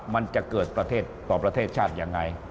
มันจะเกิดประเทศต่อประเทศชาติยังไง